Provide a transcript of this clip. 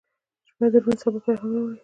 • شپه د روڼ سبا پیغام راوړي.